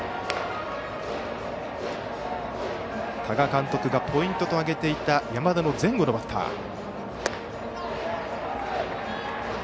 多賀監督がポイントと挙げていた山田の前後のバッター。